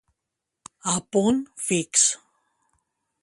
A punt fix.